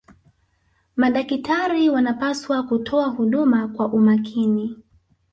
madakitari wanapaswa kutoa huduma kwa umakini